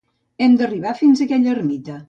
Hem d'arribar fins en aquella ermita.